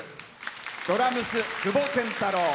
ドラムス、久保賢太郎。